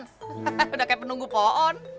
hahaha udah kayak penunggu pohon